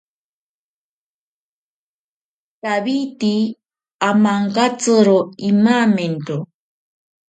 Tawiti amankatsiro imamento.